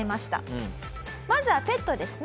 まずはペットですね。